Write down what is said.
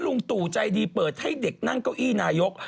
ลุงตู่ใจดีเปิดให้เด็กนั่งเก้าอี้นายก